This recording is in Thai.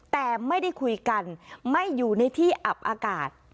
แต่ไม่ได้คุยกันไม่อยู่ในที่อับอากาศ